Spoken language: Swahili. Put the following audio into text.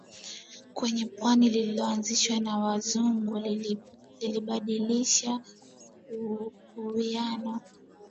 kwenye pwani lililoanzishwa na Wazungu lilibadilisha uwiano